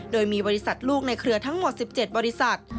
โดยมีบริษัทลูกในเครือทั้งหมด๑๗บริษัท